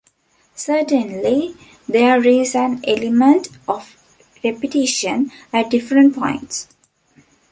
Certainly there is an element of repetition at different points.